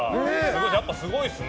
やっぱりすごいですね。